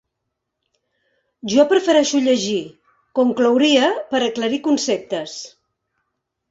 Jo prefereixo llegir —conclouria, per aclarir conceptes.